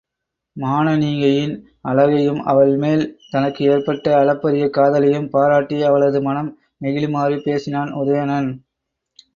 மானனீகையின் அழகையும் அவள்மேல் தனக்கு எற்பட்ட அளப்பரிய காதலையும் பாராட்டி அவளது மனம் நெகிழுமாறு பேசினான் உதயணன்.